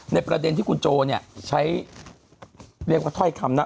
ประเด็นที่คุณโจเนี่ยใช้เรียกว่าถ้อยคำนะ